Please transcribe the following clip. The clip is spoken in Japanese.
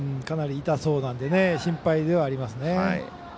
かなり痛そうなんで心配ではありますね。